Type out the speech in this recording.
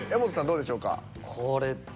どうでしょうか？